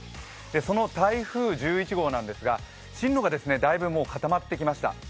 その台風１１号なんですが進路がだいぶ固まってきました。